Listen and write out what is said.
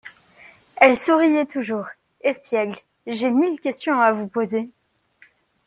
Elle souriait toujours, espiègle. J’ai mille questions à vous poser.